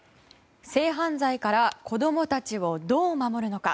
続いて、性犯罪から子供たちをどう守るのか。